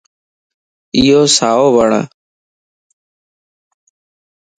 ايو سائو وڙَ